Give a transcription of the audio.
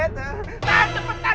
tahan cepat tahan